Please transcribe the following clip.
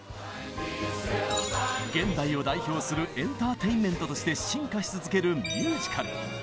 現代を代表するエンターテインメントとして進化し続けるミュージカル。